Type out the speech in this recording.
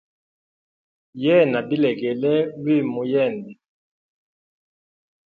Yena bilegele lwimu uyende.